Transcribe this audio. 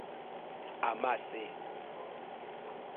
Amase.